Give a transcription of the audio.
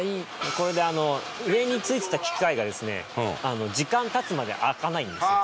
これであの上についてた機械がですね時間経つまで開かないんですね。